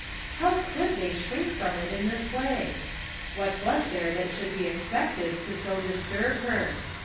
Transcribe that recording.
How could they shrink from it in this way ? What was there that should be expected to so disturb her